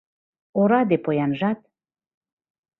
Ораде поянжат